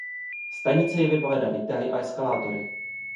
Stanice je vybavena výtahy a eskalátory.